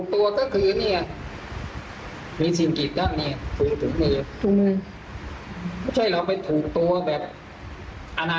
ถูกตัวก็คือเนี่ยมีสิ่งกีดกล้างเนี่ยถูกตัวกับเนี่ย